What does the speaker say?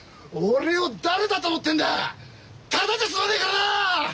ただじゃ済まねえからな！